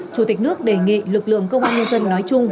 chủ tịch nước đề nghị lực lượng công an nhân dân nói chung